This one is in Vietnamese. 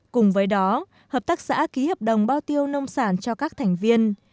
cùng với đó hợp tác xã ký hợp đồng bao tiêu nông sản cho các thành viên